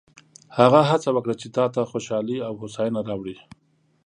هغه هڅه وکړه چې تا ته خوشحالي او هوساینه راوړي.